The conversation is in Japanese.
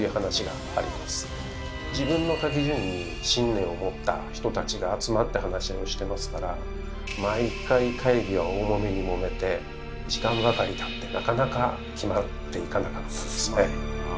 自分の書き順に信念を持った人たちが集まって話し合いをしてますから毎回会議は大もめにもめて時間ばかりたってなかなか決まっていかなかったんですね。